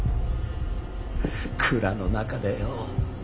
蔵の中でよ